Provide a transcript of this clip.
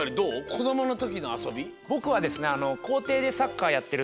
こどものときのあそび。